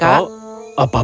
apapun katamu kakak